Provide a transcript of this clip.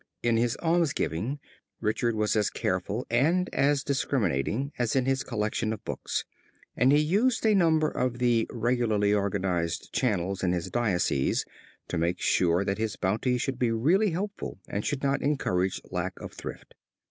In his alms giving Richard was as careful and as discriminating as in his collection of books, and he used a number of the regularly organized channels in his diocese to make sure that his bounty should be really helpful and should not encourage lack of thrift.